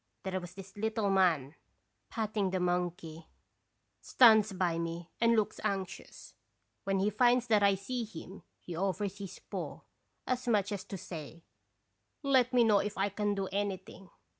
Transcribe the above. There was this little man," patting the monkey, "stands by me and looks anxious. "When he finds that I see him, he offers his paw, as much as to say :"' Let me know if I can do anything.'